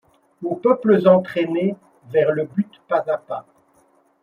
Aux peuples entraînés vers le but pas à pas